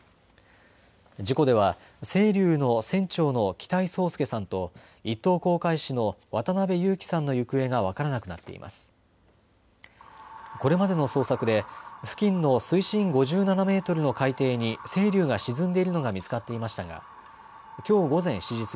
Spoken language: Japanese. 事故では、せいりゅうの船長の北井宗祐さんと一等航海士の渡辺侑樹さんの行方が分からなくなっています。